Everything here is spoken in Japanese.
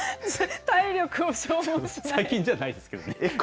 最近じゃないですけどね。